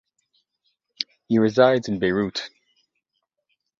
He resides in Beirut.